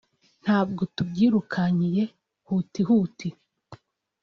ntabwo tubyirukankiye huti huti